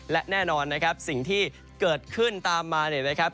และแน่นอนนะครับสิ่งที่เกิดขึ้นตามมาเนี่ยนะครับ